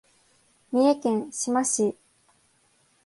三重県志摩市